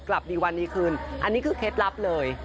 กลับดีวันดีคืนอันนี้คือเคล็ดลับเลย